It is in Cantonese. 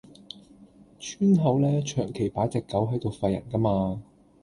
村口呢，長期擺隻狗喺度吠人㗎嘛